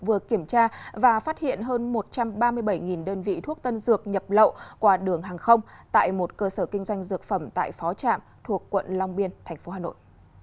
vừa kiểm tra và phát hiện hơn một trăm ba mươi bảy đơn vị thuốc tân dược nhập lậu qua đường hàng không tại một cơ sở kinh doanh dược phẩm tại phó trạm thuộc quận long biên tp hà nội